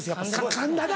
かんだな！